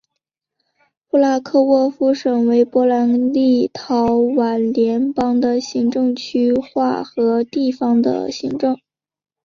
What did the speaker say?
布拉克沃夫省为波兰立陶宛联邦的行政区划和地方政府。